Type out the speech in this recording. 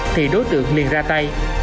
thì đối tượng liền ra tay